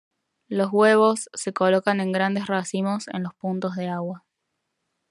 Los huevos se colocan en grandes racimos en los puntos de agua.